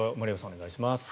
お願いします。